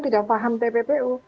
tidak paham tppu